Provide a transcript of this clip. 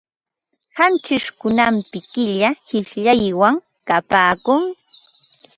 Qanchish hunaqmi killa qishyaywan kapaakun.